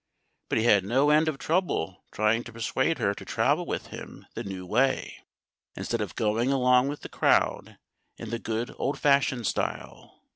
But he had no end of trouble trying to persuade her to travel with him the new way, instead of going along with the crowd in the good, old fashioned style.